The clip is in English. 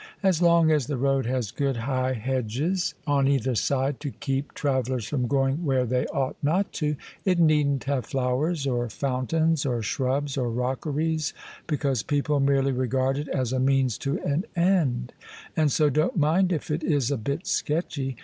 As long as the road has good high hedges OF ISABEL CARNABY on either side to keep travellers from going where they ought not to, it needn't have flowers or fountains or shrubs or rockeries, because people merely regard it as a means to an end, and so don't mind if it is a bit sketchy.